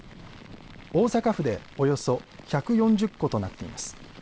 大阪府でおよそ１４０戸となっています。